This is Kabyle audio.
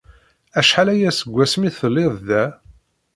Acḥal aya seg wasmi ay tellid da?